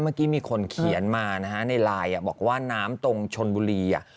เมื่อกี้มีคนเขียนมานะฮะในไลน์บอกว่าน้ำตรงชนบุรีอ่ะ